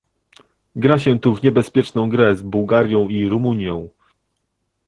Gra się tu w niebezpieczną grę z Bułgarią i Rumunią